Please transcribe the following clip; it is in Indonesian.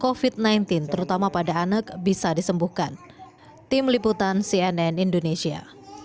covid sembilan belas terutama pada anak bisa disembuhkan tim liputan cnn indonesia